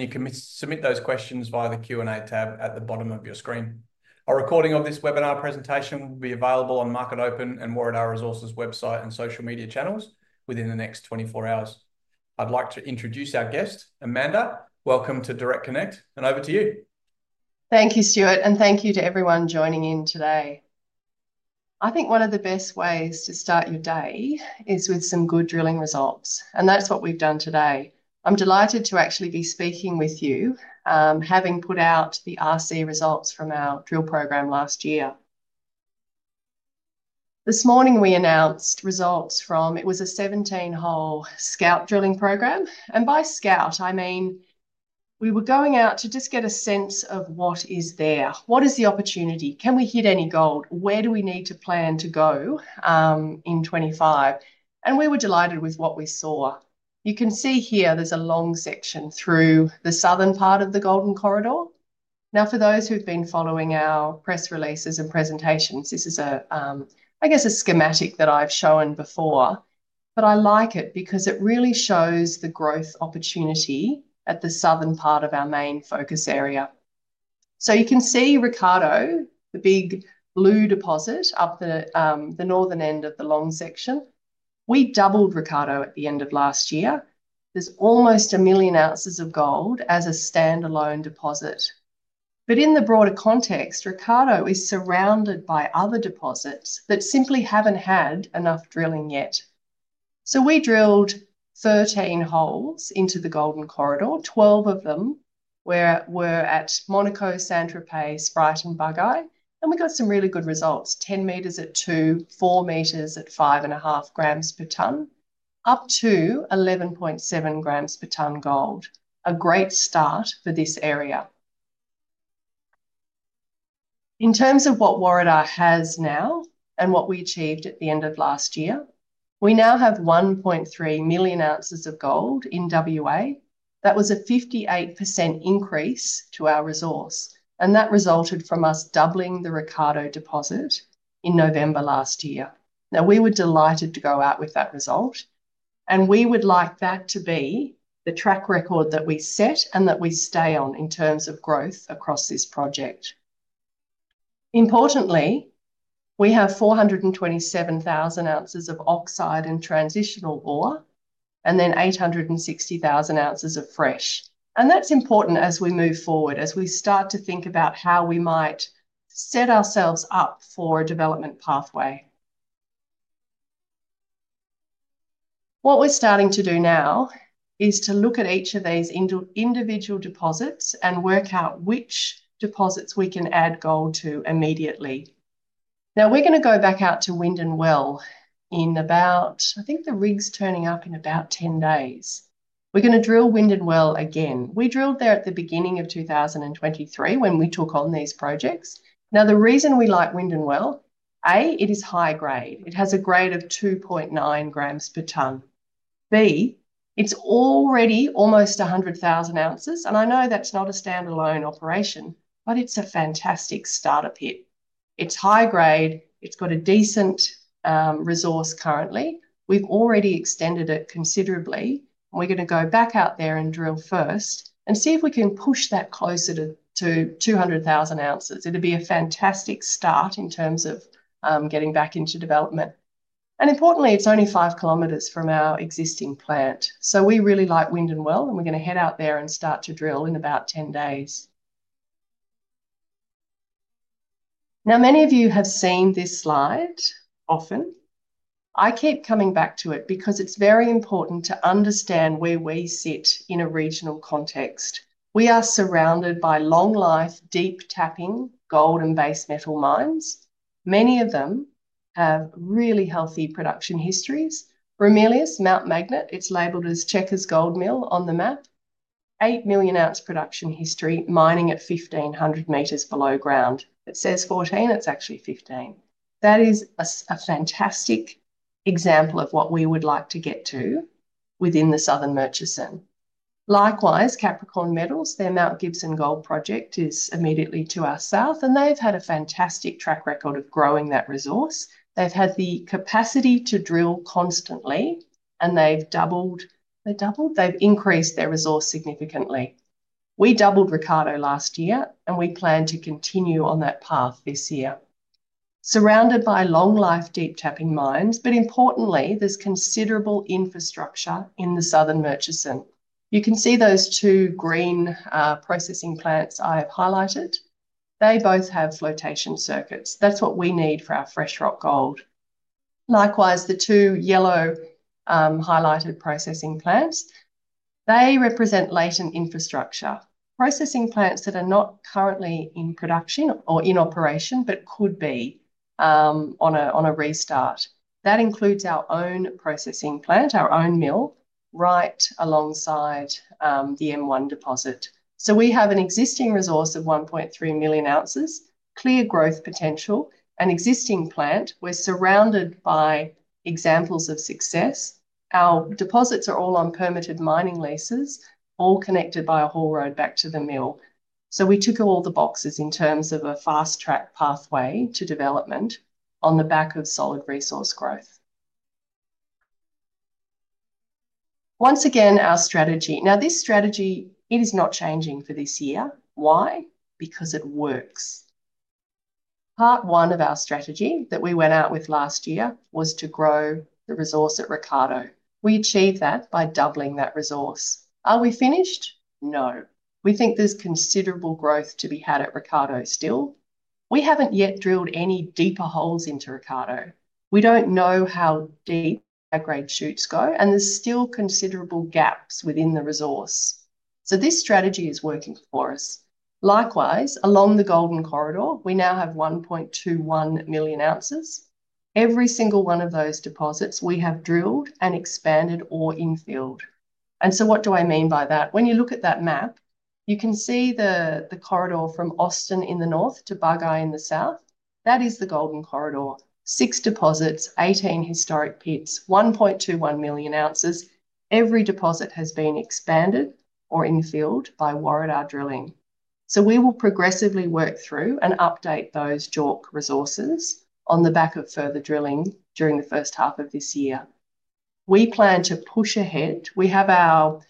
You can submit those questions via the Q&A tab at the bottom of your screen. A recording of this webinar presentation will be available on Market Open and Warriedar Resources' website and social media channels within the next 24 hours. I'd like to introduce our guest, Amanda. Welcome to Direct Connect, and over to you. Thank you, Stuart, and thank you to everyone joining in today. I think one of the best ways to start your day is with some good drilling results, and that's what we've done today. I'm delighted to actually be speaking with you, having put out the RC results from our drill program last year. This morning we announced results from, it was a 17-hole scout drilling program, and by scout I mean we were going out to just get a sense of what is there, what is the opportunity, can we hit any gold, where do we need to plan to go in 2025, and we were delighted with what we saw. You can see here there's a long section through the southern part of the Golden Corridor. Now, for those who've been following our press releases and presentations, this is a, I guess, a schematic that I've shown before, but I like it because it really shows the growth opportunity at the southern part of our main focus area. You can see Ricciardo, the big blue deposit up the northern end of the long section. We doubled Ricciardo at the end of last year. There is almost a million ounces of gold as a standalone deposit. In the broader context, Ricciardo is surrounded by other deposits that simply have not had enough drilling yet. We drilled 13 holes into the Golden Corridor, 12 of them were at Monaco, Saint-Tropez, Sprite, and, and we got some really good results: 10 meters at 2, 4 meters at 5.5 grams per ton, up to 11.7 grams per ton gold, a great start for this area. In terms of what Warriedar has now and what we achieved at the end of last year, we now have 1.3 million ounces of gold in WA. That was a 58% increase to our resource, and that resulted from us doubling the Ricciardo deposit in November last year. Now, we were delighted to go out with that result, and we would like that to be the track record that we set and that we stay on in terms of growth across this project. Importantly, we have 427,000 ounces of oxide and transitional ore, and then 860,000 ounces of fresh, and that's important as we move forward, as we start to think about how we might set ourselves up for a development pathway. What we're starting to do now is to look at each of these individual deposits and work out which deposits we can add gold to immediately. Now, we're going to go back out to Windinne Well in about, I think the rig's turning up in about 10 days. We're going to drill Windinne Well again. We drilled there at the beginning of 2023 when we took on these projects. Now, the reason we like Windinne Well, A, it is high grade. It has a grade of 2.9 grams per ton. B, it's already almost 100,000 ounces, and I know that's not a standalone operation, but it's a fantastic starter pit. It's high grade. It's got a decent resource currently. We've already extended it considerably, and we're going to go back out there and drill first and see if we can push that closer to 200,000 ounces. It'd be a fantastic start in terms of getting back into development. Importantly, it's only 5 km from our existing plant, so we really like Windinne Well, and we're going to head out there and start to drill in about 10 days. Now, many of you have seen this slide often. I keep coming back to it because it's very important to understand where we sit in a regional context. We are surrounded by long-life, deep tapping gold and base metal mines. Many of them have really healthy production histories. Ramelius, Mount Magnet, it's labeled as Checkers Gold Mill on the map, 8-million-ounce production history, mining at 1,500 meters below ground. It says 14; it's actually 15. That is a fantastic example of what we would like to get to within the southern Murchison. Likewise, Capricorn Metals, their Mount Gibson Gold project is immediately to our south, and they've had a fantastic track record of growing that resource. They've had the capacity to drill constantly, and they've doubled—they've doubled? They've increased their resource significantly. We doubled Ricciardo last year, and we plan to continue on that path this year. Surrounded by long-life, deep tapping mines, but importantly, there's considerable infrastructure in the southern Murchison. You can see those two green processing plants I have highlighted. They both have flotation circuits. That's what we need for our fresh rock gold. Likewise, the two yellow highlighted processing plants, they represent latent infrastructure. Processing plants that are not currently in production or in operation but could be on a restart. That includes our own processing plant, our own mill, right alongside the M1 deposit. So we have an existing resource of 1.3 million ounces, clear growth potential, an existing plant. We're surrounded by examples of success. Our deposits are all on permitted mining leases, all connected by a haul road back to the mill. We tick all the boxes in terms of a fast-track pathway to development on the back of solid resource growth. Once again, our strategy. Now, this strategy, it is not changing for this year. Why? Because it works. Part one of our strategy that we went out with last year was to grow the resource at Ricciardo. We achieved that by doubling that resource. Are we finished? No. We think there is considerable growth to be had at Ricciardo still. We have not yet drilled any deeper holes into Ricciardo. We do not know how deep our grade chutes go, and there are still considerable gaps within the resource. This strategy is working for us. Likewise, along the Golden Corridor, we now have 1.21 million ounces. Every single one of those deposits we have drilled and expanded or infilled. What do I mean by that? When you look at that map, you can see the corridor from Austin in the north to Bugeye in the south. That is the Golden Corridor. Six deposits, 18 historic pits, 1.21 million ounces. Every deposit has been expanded or infilled by Warriedar drilling. We will progressively work through and update those JORC resources on the back of further drilling during the first half of this year. We plan to push ahead. We have our,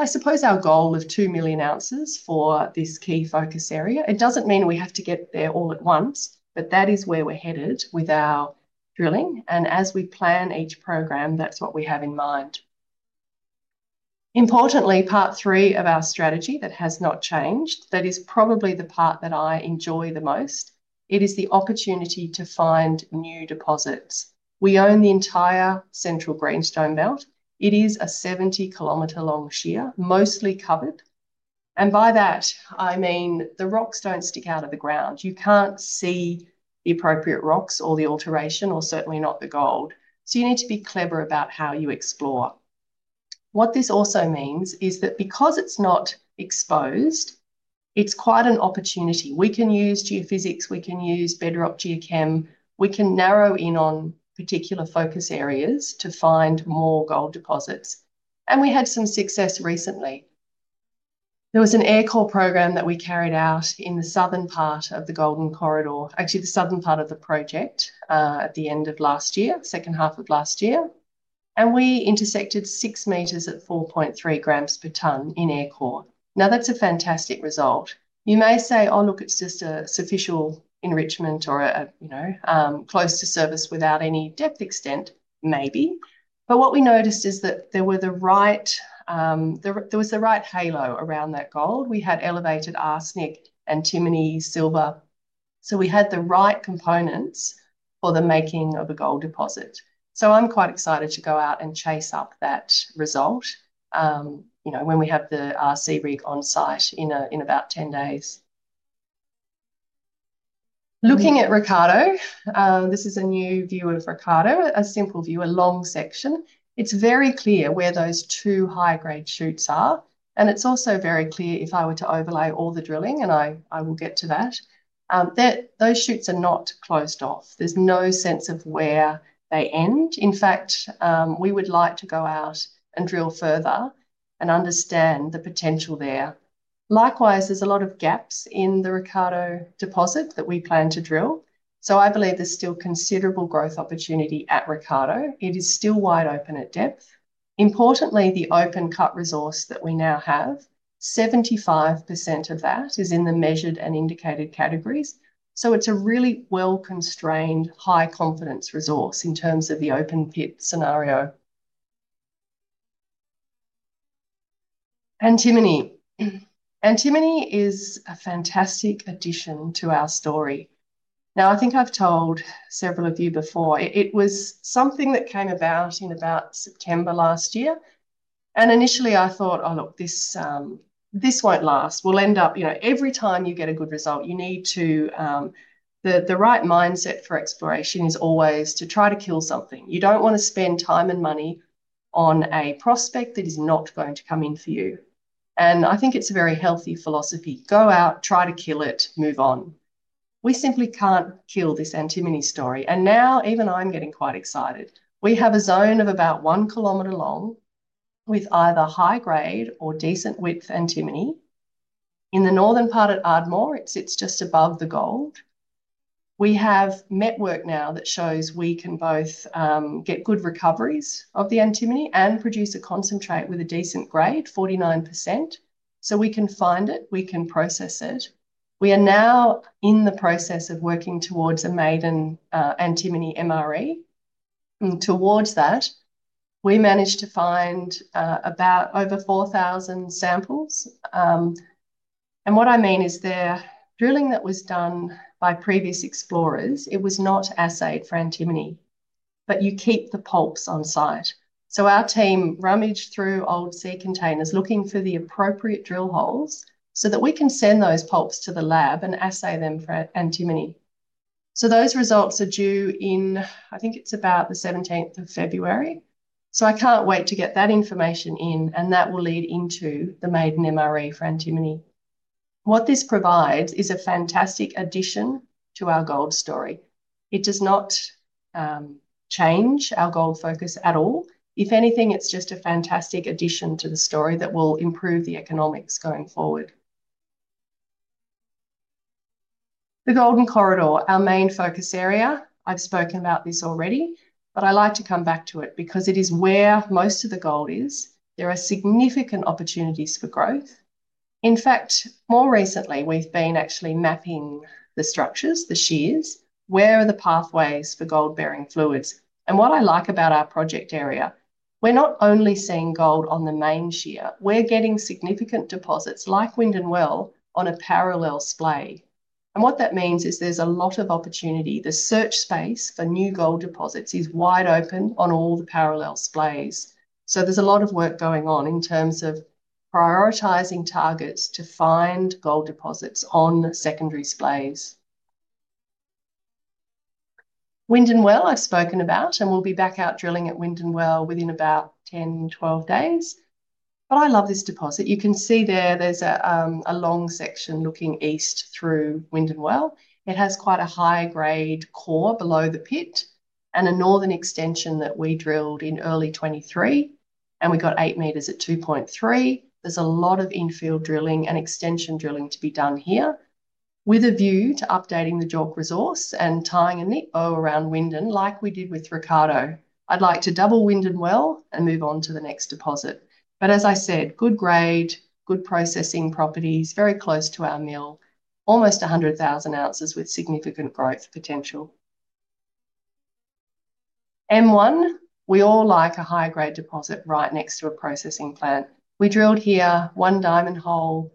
I suppose, our goal of 2 million ounces for this key focus area. It does not mean we have to get there all at once, but that is where we are headed with our drilling, and as we plan each program, that is what we have in mind. Importantly, part three of our strategy that has not changed, that is probably the part that I enjoy the most, it is the opportunity to find new deposits. We own the entire central greenstone belt. It is a 70 km long shear, mostly covered, and by that, I mean the rocks do not stick out of the ground. You cannot see the appropriate rocks or the alteration, or certainly not the gold. You need to be clever about how you explore. What this also means is that because it is not exposed, it is quite an opportunity. We can use geophysics. We can use bedrock geochem. We can narrow in on particular focus areas to find more gold deposits, and we had some success recently. There was an aircore program that we carried out in the southern part of the Golden Corridor, actually the southern part of the project, at the end of last year, second half of last year, and we intersected 6 meters at 4.3 grams per ton in aircore. Now, that's a fantastic result. You may say, "Oh, look, it's just a sufficient enrichment or close to surface without any depth extent." Maybe, but what we noticed is that there was the right halo around that gold. We had elevated arsenic and antimony, silver, so we had the right components for the making of a gold deposit. So I'm quite excited to go out and chase up that result when we have the RC rig on site in about 10 days. Looking at Ricciardo, this is a new view of Ricciardo, a simple view, a long section. It's very clear where those two high-grade chutes are, and it's also very clear if I were to overlay all the drilling, and I will get to that, that those chutes are not closed off. There's no sense of where they end. In fact, we would like to go out and drill further and understand the potential there. Likewise, there's a lot of gaps in the Ricciardo deposit that we plan to drill, so I believe there's still considerable growth opportunity at Ricciardo. It is still wide open at depth. Importantly, the open cut resource that we now have, 75% of that is in the measured and indicated categories, so it's a really well-constrained, high-confidence resource in terms of the open pit scenario. Antimony. Antimony is a fantastic addition to our story. Now, I think I've told several of you before. It was something that came about in about September last year, and initially I thought, "Oh, look, this won't last. We'll end up, you know, every time you get a good result, you need to—the right mindset for exploration is always to try to kill something. You don't want to spend time and money on a prospect that is not going to come in for you." I think it's a very healthy philosophy. Go out, try to kill it, move on. We simply can't kill this antimony story, and now even I'm getting quite excited. We have a zone of about 1 km long with either high-grade or decent width antimony. In the northern part at Ardmore, it sits just above the gold. We have met work now that shows we can both get good recoveries of the antimony and produce a concentrate with a decent grade, 49%, so we can find it, we can process it. We are now in the process of working towards a maiden antimony MRE. Towards that, we managed to find about over 4,000 samples, and what I mean is the drilling that was done by previous explorers, it was not assayed for antimony, but you keep the pulps on site. Our team rummaged through old sea containers looking for the appropriate drill holes so that we can send those pulps to the lab and assay them for antimony. Those results are due in, I think it's about the 17th of February, I can't wait to get that information in, and that will lead into the maiden MRE for antimony. What this provides is a fantastic addition to our gold story. It does not change our gold focus at all. If anything, it's just a fantastic addition to the story that will improve the economics going forward. The Golden Corridor, our main focus area, I've spoken about this already, but I like to come back to it because it is where most of the gold is. There are significant opportunities for growth. In fact, more recently, we've been actually mapping the structures, the shears, where are the pathways for gold-bearing fluids. What I like about our project area, we're not only seeing gold on the main shear. We're getting significant deposits like Windinne Well on a parallel splay. What that means is there's a lot of opportunity. The search space for new gold deposits is wide open on all the parallel splays. There is a lot of work going on in terms of prioritizing targets to find gold deposits on secondary splays. Windinne Well, I have spoken about, and we will be back out drilling at Windinne Well within about 10-12 days, but I love this deposit. You can see there is a long section looking east through Windinne Well. It has quite a high-grade core below the pit and a northern extension that we drilled in early 2023, and we got 8 meters at 2.3. There is a lot of infill drilling and extension drilling to be done here with a view to updating the JORC resource and tying a neat bow around Windinne like we did with Ricciardo. I would like to double Windinne Well and move on to the next deposit. As I said, good grade, good processing properties, very close to our mill, almost 100,000 ounces with significant growth potential. M1, we all like a high-grade deposit right next to a processing plant. We drilled here one diamond hole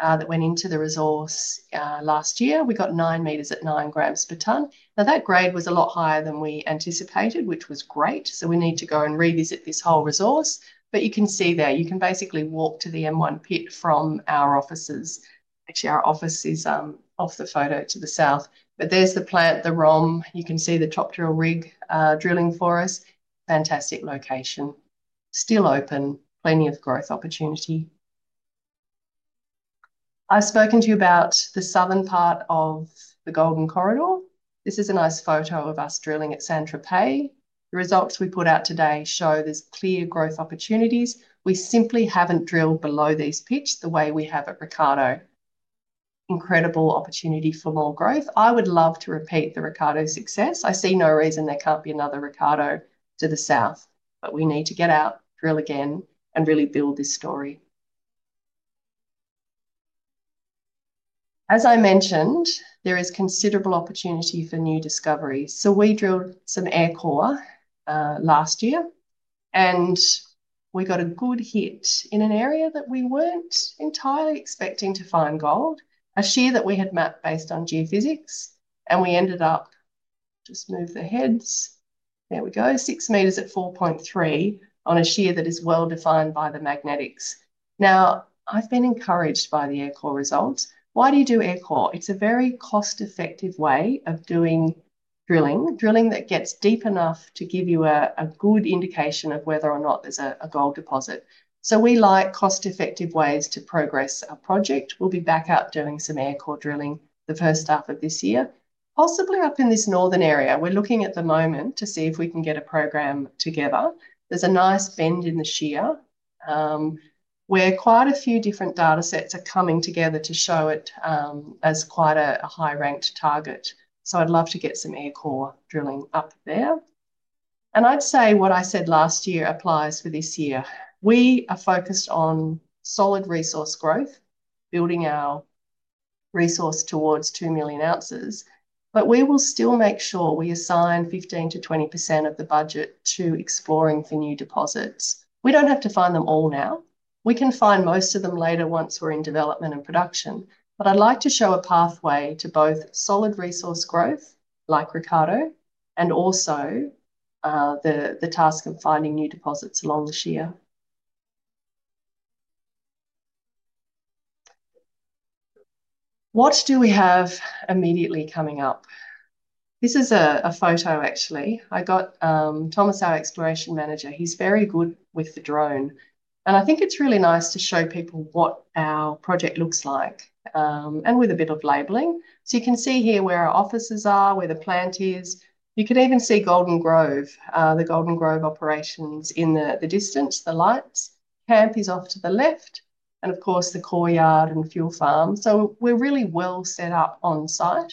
that went into the resource last year. We got 9 meters at 9 grams per ton. Now, that grade was a lot higher than we anticipated, which was great, so we need to go and revisit this whole resource. You can see there, you can basically walk to the M1 pit from our offices. Actually, our office is off the photo to the south, but there is the plant, the ROM. You can see the top drill rig drilling for us. Fantastic location. Still open, plenty of growth opportunity. I have spoken to you about the southern part of the Golden Corridor. This is a nice photo of us drilling at Saint-Tropez. The results we put out today show there are clear growth opportunities. We simply have not drilled below these pits the way we have at Ricciardo. Incredible opportunity for more growth. I would love to repeat the Ricciardo success. I see no reason there cannot be another Ricciardo to the south, but we need to get out, drill again, and really build this story. As I mentioned, there is considerable opportunity for new discoveries. We drilled some aircore last year, and we got a good hit in an area that we were not entirely expecting to find gold, a shear that we had mapped based on geophysics, and we ended up—just move the heads. There we go. 6 meters at 4.3 on a shear that is well defined by the magnetics. I have been encouraged by the aircore results. Why do you do aircore? It's a very cost-effective way of doing drilling, drilling that gets deep enough to give you a good indication of whether or not there's a gold deposit. We like cost-effective ways to progress our project. We'll be back out doing some aircore drilling the first half of this year, possibly up in this northern area. We're looking at the moment to see if we can get a program together. There's a nice bend in the shear where quite a few different data sets are coming together to show it as quite a high-ranked target. I'd love to get some aircore drilling up there. I'd say what I said last year applies for this year. We are focused on solid resource growth, building our resource towards 2 million ounces, but we will still make sure we assign 15-20% of the budget to exploring for new deposits. We don't have to find them all now. We can find most of them later once we're in development and production, but I'd like to show a pathway to both solid resource growth like Ricciardo and also the task of finding new deposits along the shear. What do we have immediately coming up? This is a photo, actually. I got Thomas, our exploration manager. He's very good with the drone, and I think it's really nice to show people what our project looks like and with a bit of labeling. You can see here where our offices are, where the plant is. You can even see Golden Grove, the Golden Grove operations in the distance, the lights. Camp is off to the left, and of course, the core yard and fuel farm. We are really well set up on site.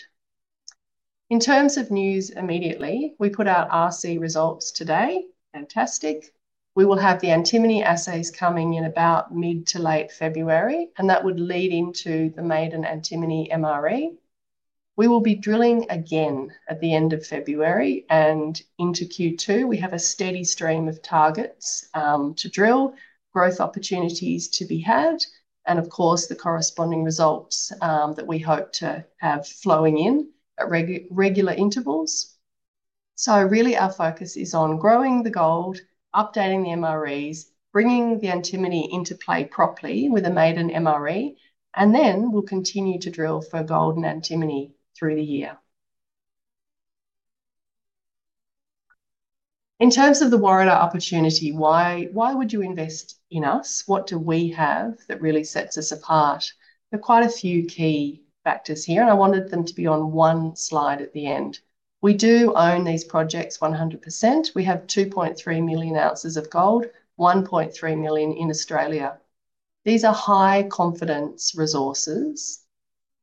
In terms of news immediately, we put out RC results today. Fantastic. We will have the antimony assays coming in about mid to late February, and that would lead into the maiden antimony MRE. We will be drilling again at the end of February and into Q2. We have a steady stream of targets to drill, growth opportunities to be had, and of course, the corresponding results that we hope to have flowing in at regular intervals. Really, our focus is on growing the gold, updating the MREs, bringing the antimony into play properly with a maiden MRE, and then we'll continue to drill for gold and antimony through the year. In terms of the Warriedar opportunity, why would you invest in us? What do we have that really sets us apart? There are quite a few key factors here, and I wanted them to be on one slide at the end. We do own these projects 100%. We have 2.3 million ounces of gold, 1.3 million in Australia. These are high-confidence resources.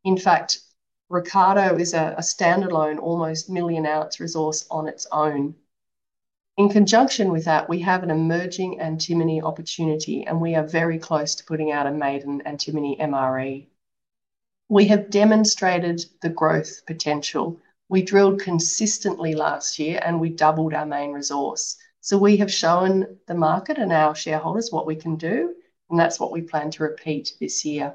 In fact, Ricciardo is a standalone, almost million-ounce resource on its own. In conjunction with that, we have an emerging antimony opportunity, and we are very close to putting out a maiden antimony MRE. We have demonstrated the growth potential. We drilled consistently last year, and we doubled our main resource. We have shown the market and our shareholders what we can do, and that's what we plan to repeat this year.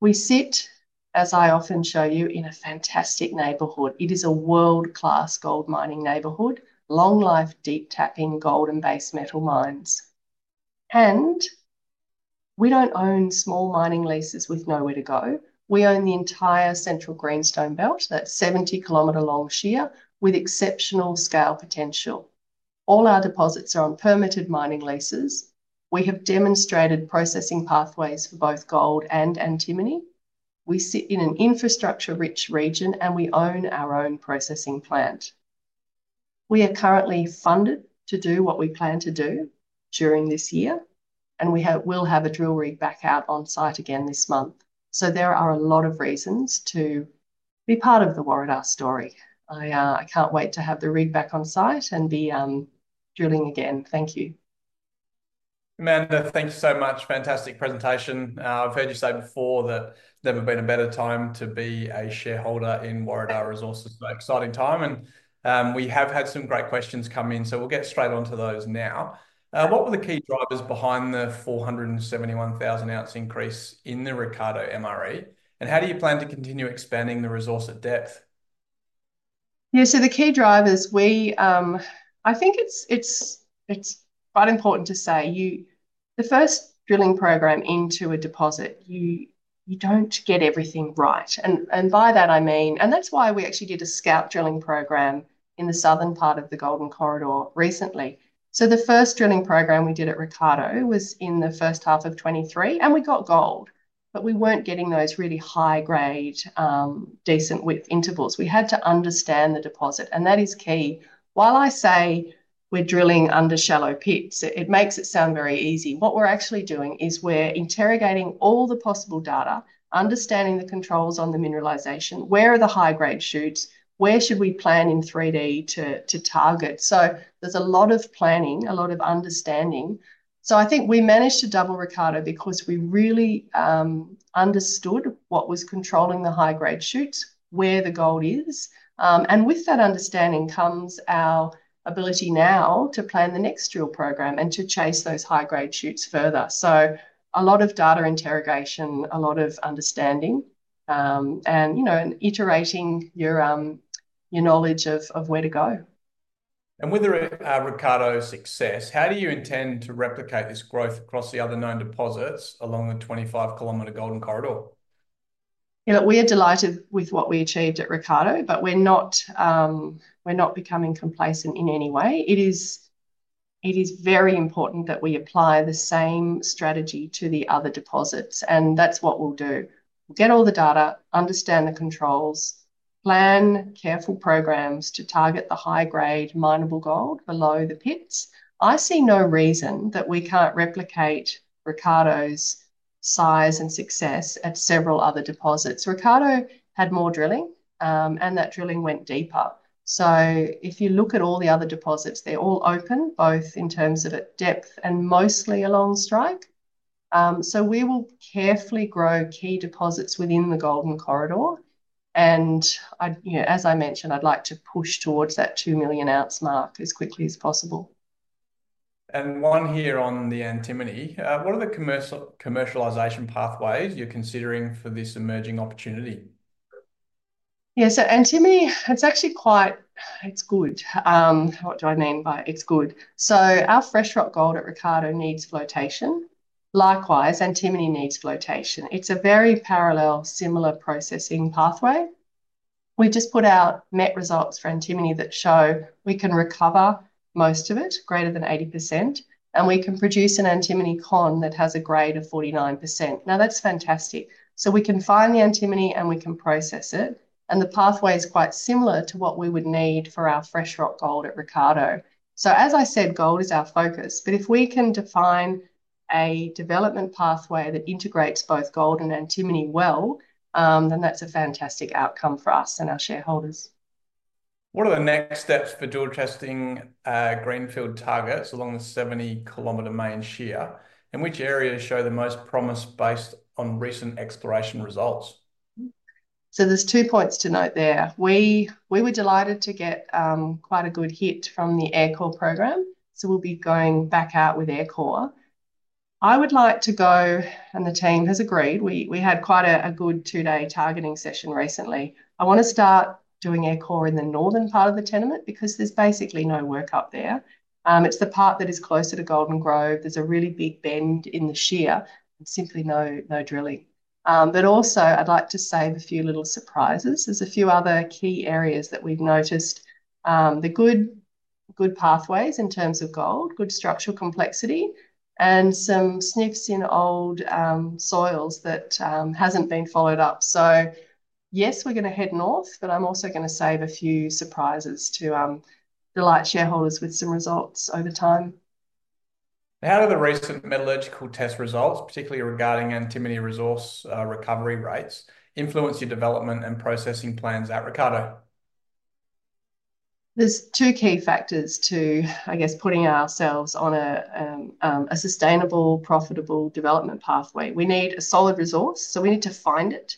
We sit, as I often show you, in a fantastic neighborhood. It is a world-class gold mining neighborhood, long-life deep tapping gold and base metal mines. We do not own small mining leases with nowhere to go. We own the entire central Greenstone Belt. That is a 70-kilometer-long shear with exceptional scale potential. All our deposits are on permitted mining leases. We have demonstrated processing pathways for both gold and antimony. We sit in an infrastructure-rich region, and we own our own processing plant. We are currently funded to do what we plan to do during this year, and we will have a drill rig back out on site again this month. There are a lot of reasons to be part of the Warriedar story. I cannot wait to have the rig back on site and be drilling again. Thank you. Amanda, thank you so much. Fantastic presentation. I have heard you say before that there has never been a better time to be a shareholder in Warriedar Resources. It's an exciting time, and we have had some great questions come in, so we'll get straight on to those now. What were the key drivers behind the 471,000-ounce increase in the Ricciardo MRE, and how do you plan to continue expanding the resource at depth? Yeah, so the key drivers, I think it's quite important to say, the first drilling program into a deposit, you don't get everything right. I mean, and that's why we actually did a scout drilling program in the southern part of the Golden Corridor recently. The first drilling program we did at Ricciardo was in the first half of 2023, and we got gold, but we weren't getting those really high-grade, decent width intervals. We had to understand the deposit, and that is key. While I say we're drilling under shallow pits, it makes it sound very easy. What we're actually doing is we're interrogating all the possible data, understanding the controls on the mineralization, where are the high-grade shoots, where should we plan in 3D to target. There is a lot of planning, a lot of understanding. I think we managed to double Ricciardo because we really understood what was controlling the high-grade shoots, where the gold is. With that understanding comes our ability now to plan the next drill program and to chase those high-grade shoots further. A lot of data interrogation, a lot of understanding, and iterating your knowledge of where to go. With Ricciardo's success, how do you intend to replicate this growth across the other nine deposits along the 25 km Golden Corridor? We are delighted with what we achieved at Ricciardo, but we're not becoming complacent in any way. It is very important that we apply the same strategy to the other deposits, and that's what we'll do. We'll get all the data, understand the controls, plan careful programs to target the high-grade minable gold below the pits. I see no reason that we can't replicate Ricciardo's size and success at several other deposits. Ricciardo had more drilling, and that drilling went deeper. If you look at all the other deposits, they're all open, both in terms of depth and mostly along strike. We will carefully grow key deposits within the Golden Corridor. As I mentioned, I'd like to push towards that 2 million-ounce mark as quickly as possible. One here on the antimony. What are the commercialization pathways you're considering for this emerging opportunity? Yeah, so antimony, it's actually quite good. What do I mean by it's good? Our fresh rock gold at Ricciardo needs flotation. Likewise, antimony needs flotation. It is a very parallel, similar processing pathway. We just put out met results for antimony that show we can recover most of it, greater than 80%, and we can produce an antimony con that has a grade of 49%. That is fantastic. We can find the antimony and we can process it. The pathway is quite similar to what we would need for our fresh rock gold at Ricciardo. As I said, gold is our focus, but if we can define a development pathway that integrates both gold and antimony well, then that is a fantastic outcome for us and our shareholders. What are the next steps for dual testing greenfield targets along the 70-kilometer main shear, and which areas show the most promise based on recent exploration results? There are two points to note there. We were delighted to get quite a good hit from the aircore program, so we will be going back out with aircore. I would like to go, and the team has agreed. We had quite a good two-day targeting session recently. I want to start doing aircore in the northern part of the tenement because there is basically no work up there. It is the part that is closer to Golden Grove. There is a really big bend in the shear. Simply no drilling. Also, I would like to save a few little surprises. There are a few other key areas that we have noticed. The good pathways in terms of gold, good structural complexity, and some sniffs in old soils that have not been followed up. Yes, we're going to head north, but I'm also going to save a few surprises to delight shareholders with some results over time. How do the recent metallurgical test results, particularly regarding antimony resource recovery rates, influence your development and processing plans at Ricciardo? There's two key factors to, I guess, putting ourselves on a sustainable, profitable development pathway. We need a solid resource, so we need to find it,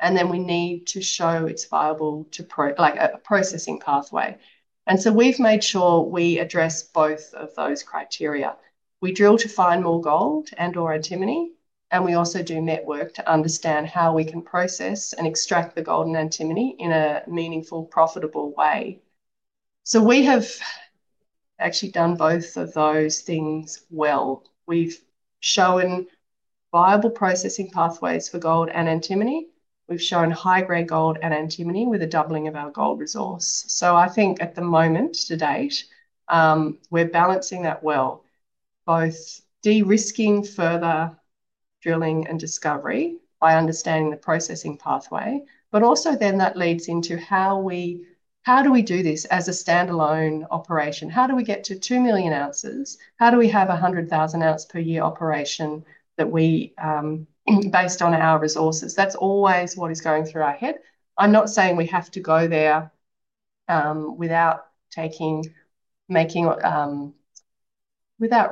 and then we need to show it's viable to a processing pathway. We have made sure we address both of those criteria. We drill to find more gold and/or antimony, and we also do network to understand how we can process and extract the gold and antimony in a meaningful, profitable way. We have actually done both of those things well. We've shown viable processing pathways for gold and antimony. We've shown high-grade gold and antimony with a doubling of our gold resource. I think at the moment to date, we're balancing that well, both de-risking further drilling and discovery by understanding the processing pathway, but also then that leads into how do we do this as a standalone operation? How do we get to 2 million ounces? How do we have a 100,000-ounce per year operation based on our resources? That's always what is going through our head. I'm not saying we have to go there without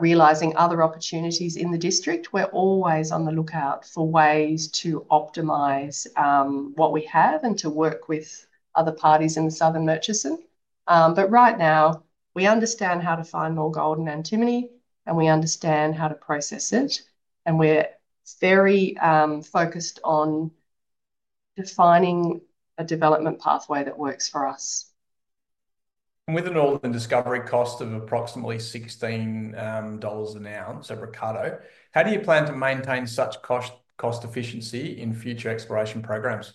realizing other opportunities in the district. We're always on the lookout for ways to optimize what we have and to work with other parties in the southern Murchison. Right now, we understand how to find more gold and antimony, and we understand how to process it, and we're very focused on defining a development pathway that works for us. With an all-in discovery cost of approximately 16 dollars an ounce at Ricciardo, how do you plan to maintain such cost efficiency in future exploration programs?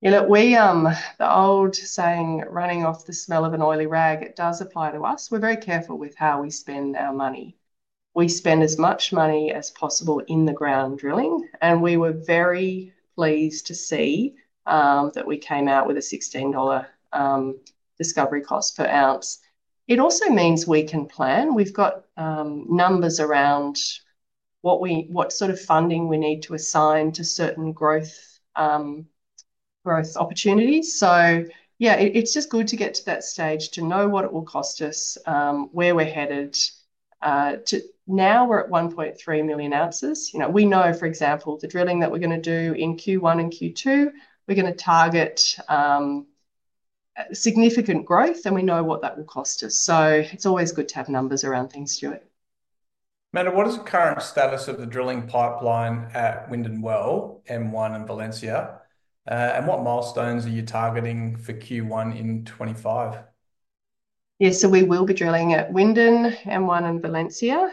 The old saying, "Running off the smell of an oily rag," it does apply to us. We are very careful with how we spend our money. We spend as much money as possible in the ground drilling, and we were very pleased to see that we came out with a 16 dollar discovery cost per ounce. It also means we can plan. We have got numbers around what sort of funding we need to assign to certain growth opportunities. Yeah, it is just good to get to that stage to know what it will cost us, where we are headed. Now we are at 1.3 million ounces. We know, for example, the drilling that we're going to do in Q1 and Q2, we're going to target significant growth, and we know what that will cost us. It is always good to have numbers around things, Stuart. Amanda, what is the current status of the drilling pipeline at Windinne Well, M1 in Valencia? What milestones are you targeting for Q1 in 2025? Yeah, we will be drilling at Windinne, M1 in Valencia,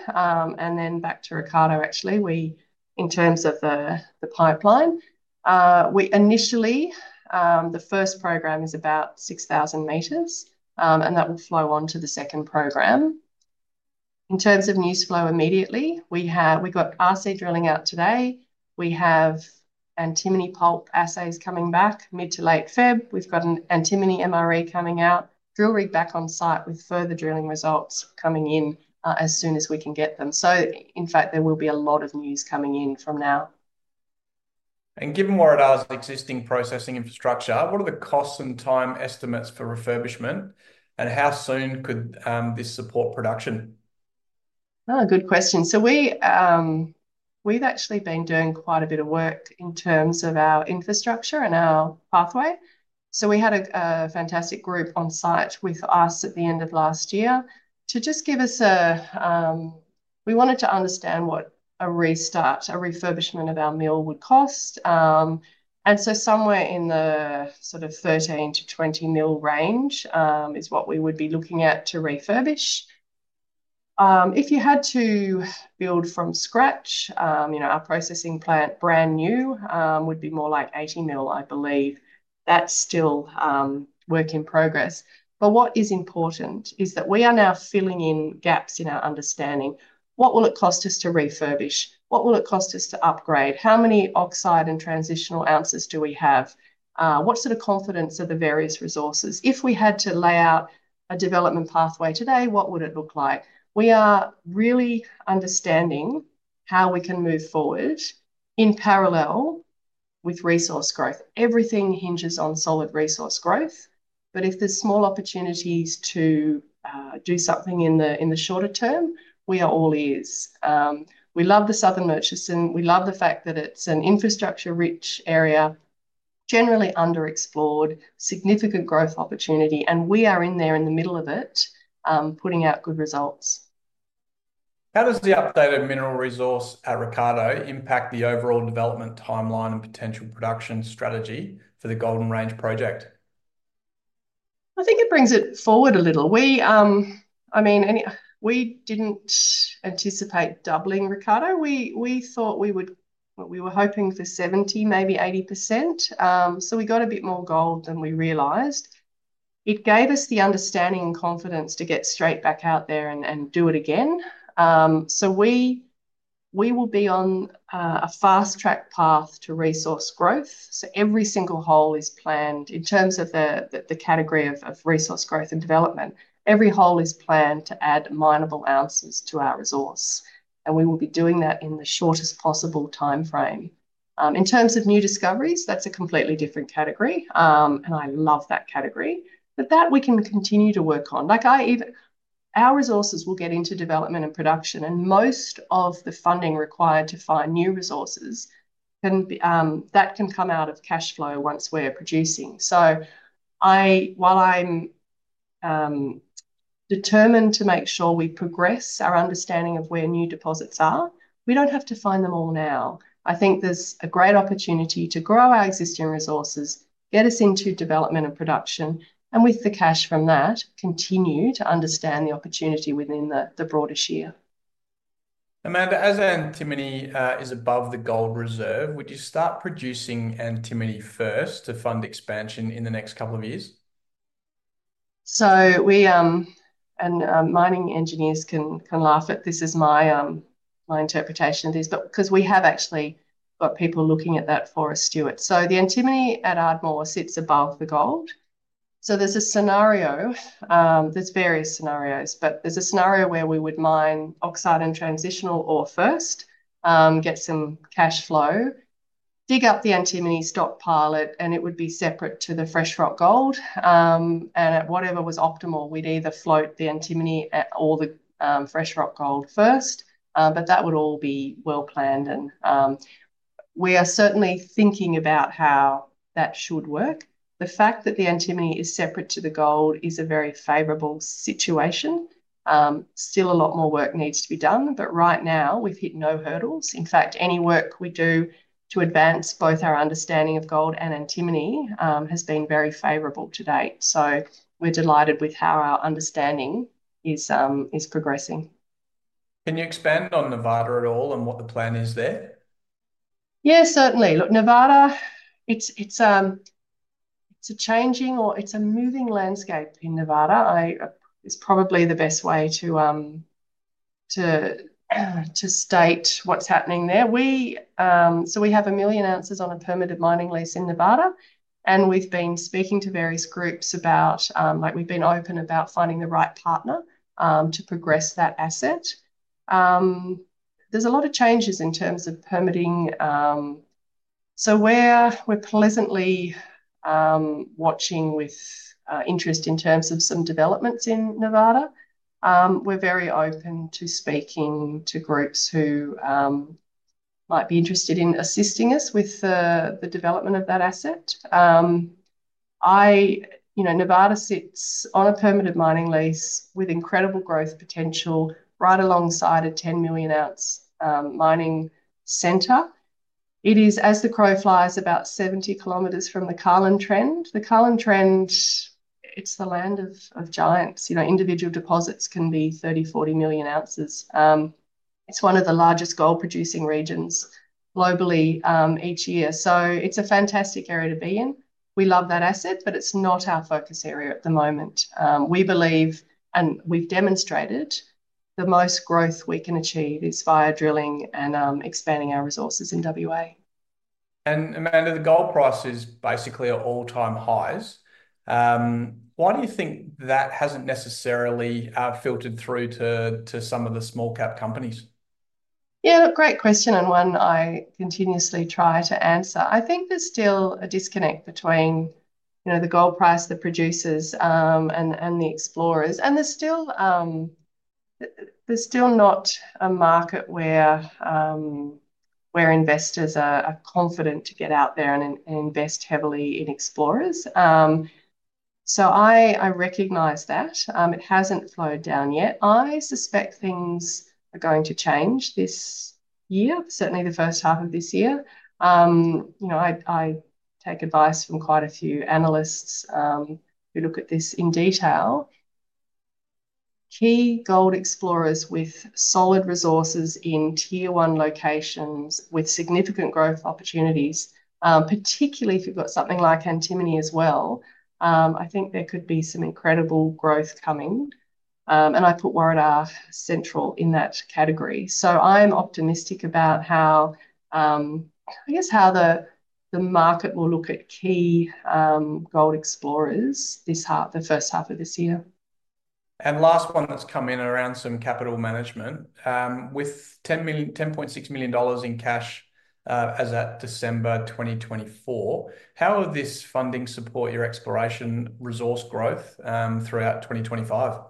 and then back to Ricciardo, actually, in terms of the pipeline. Initially, the first program is about 6,000 meters, and that will flow on to the second program. In terms of news flow immediately, we got assay drilling out today. We have antimony pulp assays coming back mid to late February. We've got an antimony MRE coming out, drill rig back on site with further drilling results coming in as soon as we can get them. In fact, there will be a lot of news coming in from now. Given Warriedar's existing processing infrastructure, what are the costs and time estimates for refurbishment, and how soon could this support production? Good question. We've actually been doing quite a bit of work in terms of our infrastructure and our pathway. We had a fantastic group on site with us at the end of last year to just give us a—we wanted to understand what a restart, a refurbishment of our mill would cost. Somewhere in the sort of 13 million-20 million range is what we would be looking at to refurbish. If you had to build from scratch, our processing plant brand new would be more like 80 million, I believe. That's still work in progress. What is important is that we are now filling in gaps in our understanding. What will it cost us to refurbish? What will it cost us to upgrade? How many oxide and transitional ounces do we have? What sort of confidence are the various resources? If we had to lay out a development pathway today, what would it look like? We are really understanding how we can move forward in parallel with resource growth. Everything hinges on solid resource growth. If there's small opportunities to do something in the shorter term, we are all ears. We love the Southern Murchison. We love the fact that it is an infrastructure-rich area, generally underexplored, significant growth opportunity, and we are in there in the middle of it, putting out good results. How does the updated mineral resource at Ricciardo impact the overall development timeline and potential production strategy for the Golden Range project? I think it brings it forward a little. I mean, we did not anticipate doubling Ricciardo. We thought we were hoping for 70-80%. We got a bit more gold than we realized. It gave us the understanding and confidence to get straight back out there and do it again. We will be on a fast-track path to resource growth. Every single hole is planned in terms of the category of resource growth and development. Every hole is planned to add minable ounces to our resource, and we will be doing that in the shortest possible timeframe. In terms of new discoveries, that's a completely different category, and I love that category. That we can continue to work on. Our resources will get into development and production, and most of the funding required to find new resources, that can come out of cash flow once we're producing. While I'm determined to make sure we progress our understanding of where new deposits are, we don't have to find them all now. I think there's a great opportunity to grow our existing resources, get us into development and production, and with the cash from that, continue to understand the opportunity within the broader shear. Amanda, as antimony is above the gold reserve, would you start producing antimony first to fund expansion in the next couple of years? Mining engineers can laugh at this as my interpretation of this, because we have actually got people looking at that for you, Stuart. The antimony at Ardmore sits above the gold. There is a scenario, there are various scenarios, but there is a scenario where we would mine oxide and transitional ore first, get some cash flow, dig up the antimony stockpile, and it would be separate to the fresh rock gold. At whatever was optimal, we would either float the antimony or the fresh rock gold first, but that would all be well planned. We are certainly thinking about how that should work. The fact that the antimony is separate to the gold is a very favorable situation. Still, a lot more work needs to be done, but right now, we have hit no hurdles. In fact, any work we do to advance both our understanding of gold and antimony has been very favorable to date. We are delighted with how our understanding is progressing. Can you expand on Nevada at all and what the plan is there? Yeah, certainly. Look, Nevada, it's a changing or it's a moving landscape in Nevada. It's probably the best way to state what's happening there. We have 1 million ounces on a permitted mining lease in Nevada, and we've been speaking to various groups about we've been open about finding the right partner to progress that asset. There are a lot of changes in terms of permitting. We are pleasantly watching with interest in terms of some developments in Nevada. We are very open to speaking to groups who might be interested in assisting us with the development of that asset. Nevada sits on a permitted mining lease with incredible growth potential right alongside a 10 million-ounce mining center. It is, as the crow flies, about 70 km from the Carlin Trend. The Carlin Trend, it's the land of giants. Individual deposits can be 30-40 million ounces. It's one of the largest gold-producing regions globally each year. It is a fantastic area to be in. We love that asset, but it's not our focus area at the moment. We believe, and we've demonstrated, the most growth we can achieve is via drilling and expanding our resources in WA. Amanda, the gold prices basically are all-time highs. Why do you think that hasn't necessarily filtered through to some of the small-cap companies? Yeah, great question and one I continuously try to answer. I think there's still a disconnect between the gold price, the producers, and the explorers. There is still not a market where investors are confident to get out there and invest heavily in explorers. I recognize that. It has not flowed down yet. I suspect things are going to change this year, certainly the first half of this year. I take advice from quite a few analysts who look at this in detail. Key gold explorers with solid resources in tier-one locations with significant growth opportunities, particularly if you have got something like antimony as well, I think there could be some incredible growth coming. I put Warriedar Central in that category. I am optimistic about, I guess, how the market will look at key gold explorers this half, the first half of this year. The last one that has come in is around some capital management. With 10.6 million dollars in cash as at December 2024, how will this funding support your exploration resource growth throughout 2025?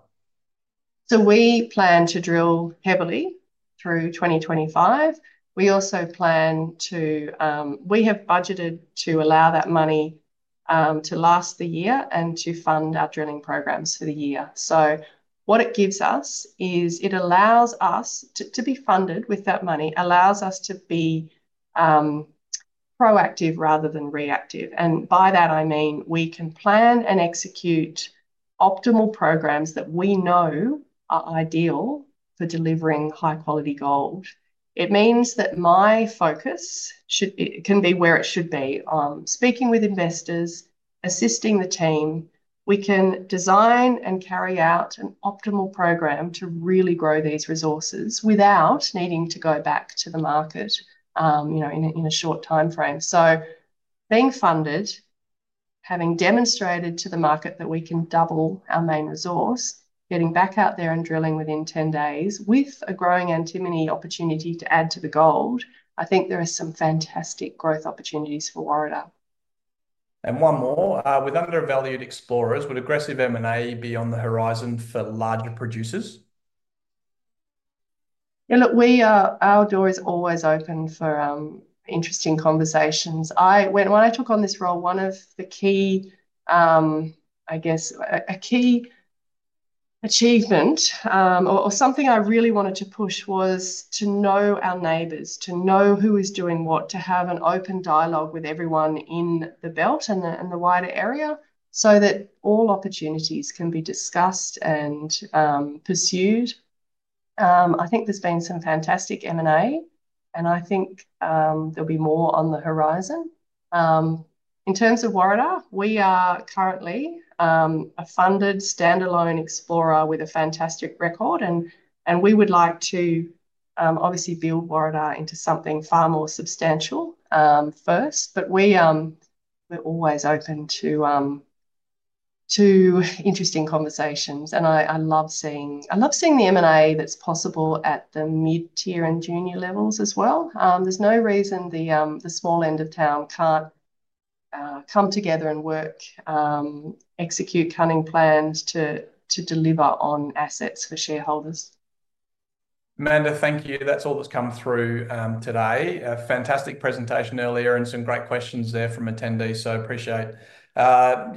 We plan to drill heavily through 2025. We also plan to—we have budgeted to allow that money to last the year and to fund our drilling programs for the year. What it gives us is it allows us to be funded with that money, allows us to be proactive rather than reactive. By that, I mean we can plan and execute optimal programs that we know are ideal for delivering high-quality gold. It means that my focus can be where it should be, speaking with investors, assisting the team. We can design and carry out an optimal program to really grow these resources without needing to go back to the market in a short timeframe. Being funded, having demonstrated to the market that we can double our main resource, getting back out there and drilling within 10 days with a growing antimony opportunity to add to the gold, I think there are some fantastic growth opportunities for Warriedar. One more. With undervalued explorers, would aggressive M&A be on the horizon for larger producers? Yeah, look, our door is always open for interesting conversations. When I took on this role, a key achievement or something I really wanted to push was to know our neighbors, to know who is doing what, to have an open dialogue with everyone in the belt and the wider area so that all opportunities can be discussed and pursued. I think there has been some fantastic M&A, and I think there will be more on the horizon. In terms of Warriedar, we are currently a funded standalone explorer with a fantastic record, and we would like to obviously build Warriedar into something far more substantial first, but we're always open to interesting conversations. I love seeing the M&A that's possible at the mid-tier and junior levels as well. There's no reason the small end of town can't come together and work, execute cunning plans to deliver on assets for shareholders. Amanda, thank you. That's all that's come through today. A fantastic presentation earlier and some great questions there from attendees, so appreciate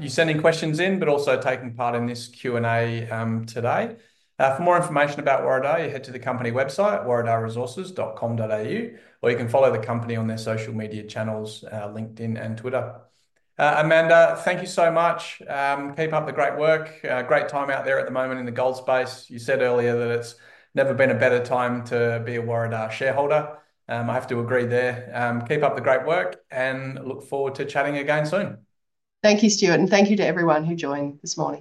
you sending questions in, but also taking part in this Q&A today. For more information about Warriedar, you head to the company website, warriedarresources.com.au, or you can follow the company on their social media channels, LinkedIn and Twitter. Amanda, thank you so much. Keep up the great work. Great time out there at the moment in the gold space. You said earlier that it's never been a better time to be a Warriedar shareholder. I have to agree there. Keep up the great work and look forward to chatting again soon. Thank you, Stuart, and thank you to everyone who joined this morning.